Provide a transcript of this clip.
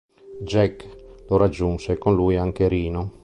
Jake lo raggiunge e con lui anche Reno.